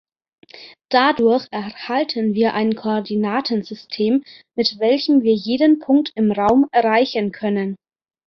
Dadurch erhalten wir ein Koordinatensystem, mit welchem wir jeden Punkt im Raum erreichen können.